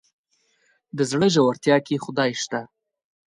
د زړه ژورتيا کې خدای شته.